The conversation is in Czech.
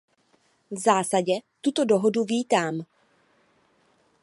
V zásadě tuto dohodu vítám.